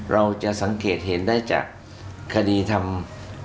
เราจะสังเกตเห็นได้จากคดีทำ